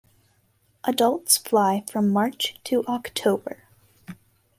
Adults fly from March to October.